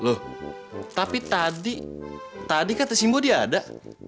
loh tapi tadi kata simbo dia ada